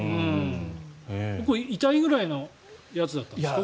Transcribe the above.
これ、痛いぐらいのやつだったんですか？